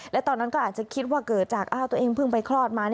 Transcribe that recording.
และตอนนั้นก็อาจจะคิดว่าเกิดจากตัวเองเพิ่งไปคลอดมา